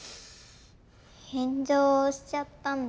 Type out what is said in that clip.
炎上しちゃったんだ。